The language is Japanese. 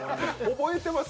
覚えてます？